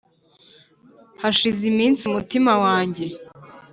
hashize iminsi umutima wanjye